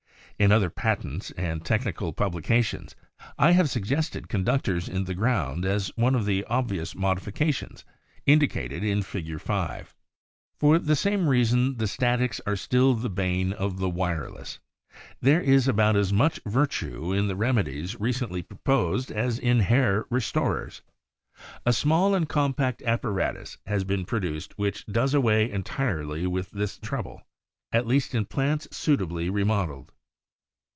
In other patents and tech nical publications I have suggested conduc tors in the ground as one of the obvious modifications indicated in Fig. 5. For the same reason the statics are still the bane of the wireless. There is about as much virtue in the remedies recently proposed as in hair 'restorers. A small and compact apparatus has been produced which does 'away entirely with this trouble, at least in plants suitably remodelled.